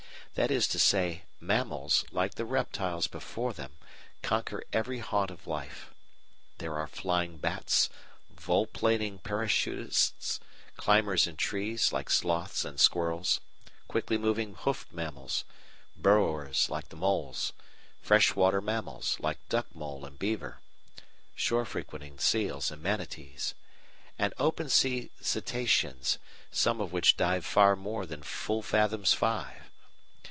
That is to say, mammals, like the reptiles before them, conquer every haunt of life. There are flying bats, volplaning parachutists, climbers in trees like sloths and squirrels, quickly moving hoofed mammals, burrowers like the moles, freshwater mammals, like duckmole and beaver, shore frequenting seals and manatees, and open sea cetaceans, some of which dive far more than full fathoms five.